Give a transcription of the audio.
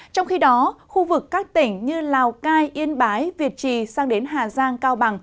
trong khi đó khu vực các tỉnh như lào cai yên bái việt trì sang đến hà giang cao bằng